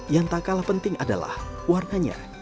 yang tak kalah penting adalah warnanya